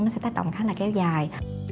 nó sẽ tác động khá là kéo dài